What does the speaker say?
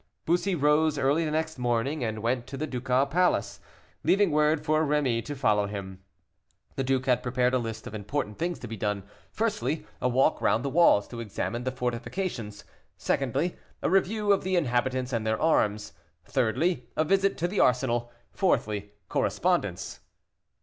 Bussy rose early the next morning, and went to the ducal palace, leaving word for Rémy to follow him. The duke had prepared a list of important things to be done: firstly, a walk round the walls to examine the fortifications; secondly, a review of the inhabitants and their arms; thirdly, a visit to the arsenal; fourthly, correspondence.